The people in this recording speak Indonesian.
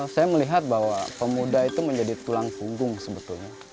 saya melihat bahwa pemuda itu menjadi tulang punggung sebetulnya